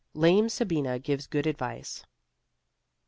LAME SABINA GIVES GOOD ADVICE.